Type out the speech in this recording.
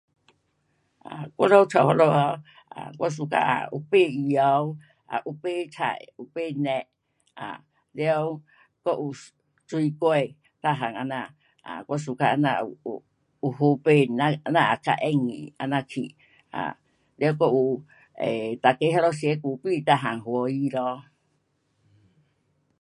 我在家那里 um 我 suka 有卖鱼 um，也有卖菜，有卖肉 um 了还有水，kuih, 每样那那。我 suka 这样 um 有，有好买，咱也较容易，这样去 um，了还有 um 每个在那吃 kopi 每样欢喜咯。